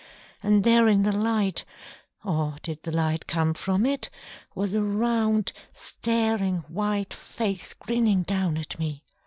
And there in the light or did the light come from it? was a round, staring, white face grinning down at me.